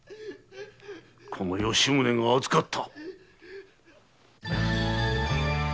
この吉宗が預かった！